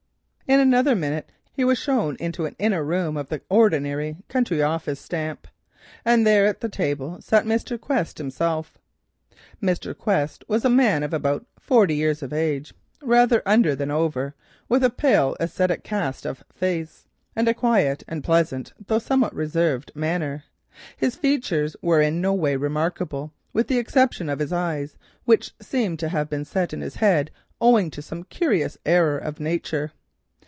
In another minute he was shown into an inner room of the ordinary country lawyer's office stamp, and there at the table sat Mr. Quest himself. Mr. Quest was a man of about forty years of age, rather under than over, with a pale ascetic cast of face, and a quiet and pleasant, though somewhat reserved, manner. His features were in no way remarkable, with the exception of his eyes, which seemed to have been set in his head owing to some curious error of nature.